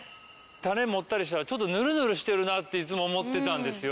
種持ったりしたらちょっとヌルヌルしてるなっていつも思ってたんですよ。